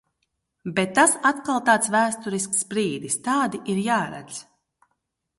Bet tas atkal tāds vēsturisks brīdis, tādi ir jāredz.